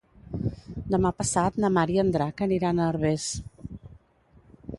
Demà passat na Mar i en Drac aniran a Herbers.